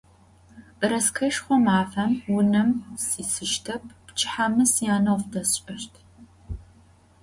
Bereskeşşxo mafem vunem sisıştep, pçıhemi syane 'of desş'eşt.